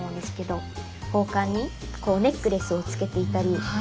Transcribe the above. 宝冠にネックレスをつけていたり。